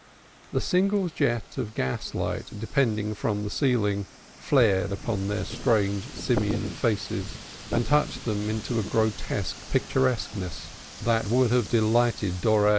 The single jet of gas light depending from the ceiling flared upon the strange simian faces, and touched them into a grotesque picturesqueness that would have delighted Doré.